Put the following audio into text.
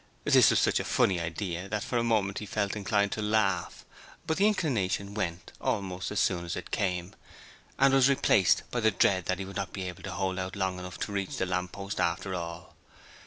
This was such a funny idea that for a moment he felt inclined to laugh, but the inclination went almost as soon as it came and was replaced by the dread that he would not be able to hold out long enough to reach the lamp post, after all.